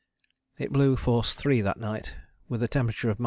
It blew force 3 that night with a temperature of 65.